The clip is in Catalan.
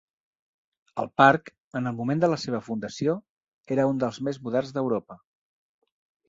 El parc, en el moment de la seva fundació, era un dels més moderns d'Europa.